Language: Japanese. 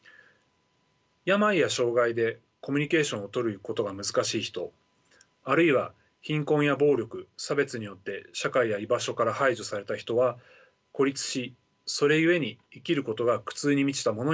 病や障害でコミュニケーションをとることが難しい人あるいは貧困や暴力差別によって社会や居場所から排除された人は孤立しそれゆえに生きることが苦痛に満ちたものになります。